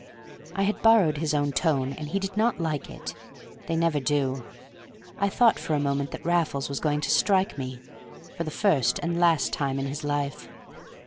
I had borrowed his own tone, and he did not like it. They never do. I thought for a moment that Raffles was going to strike me—for the first and last time in his life.